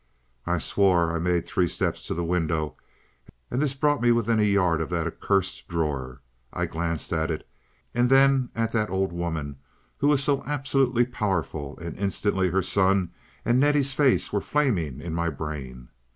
I swore. I made three steps to the window, and this brought me within a yard of that accursed drawer. I glanced at it, and then at that old woman who was so absolutely powerful, and instantly her son and Nettie's face were flaming in my brain.